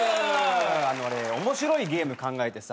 俺面白いゲーム考えてさ。